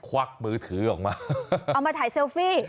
วักมือถือออกมาเอามาถ่ายเซลฟี่